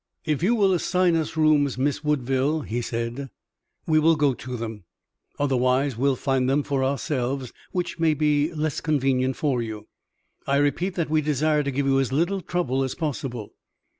"If you will assign us rooms, Miss Woodville," he said, "we will go to them, otherwise we'll find them for ourselves, which may be less convenient for you. I repeat that we desire to give you as little trouble as possible."